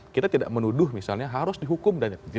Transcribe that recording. kita tidak menuduh misalnya harus dihukum